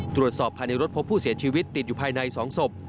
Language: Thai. ตรวจสอบภายในรถพบผู้เสียชีวิตติดอยู่ภายใน๒ศพ